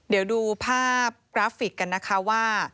เดี๋ยวดูภาพกราฟิกกันนะคะว่า